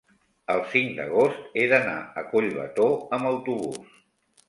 el cinc d'agost he d'anar a Collbató amb autobús.